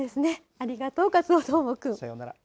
ありがとう、カツオどーもくん。